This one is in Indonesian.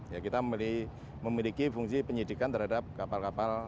ya kita memiliki fungsi penyidikan terhadap kapal kapal